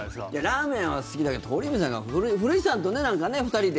ラーメンは好きだけど鳥海さんが古市さんとねなんか２人で。